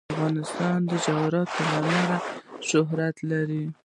افغانستان د جواهرات له امله شهرت لري.